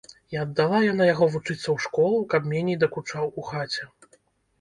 І аддала яна яго вучыцца ў школу, каб меней дакучаў у хаце.